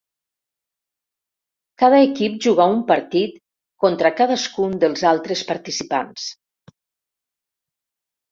Cada equip jugà un partit contra cadascun dels altres participants.